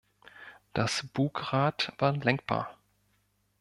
Das Bugrad war lenkbar.